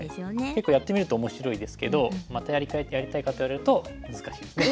結構やってみると面白いですけどまたやりたいかと言われると難しいですね。